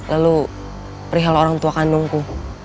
lalu perihal orang tua kandungku